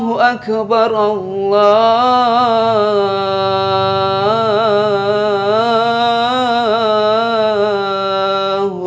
dia tidak diressioner memiliki perlawanan rebound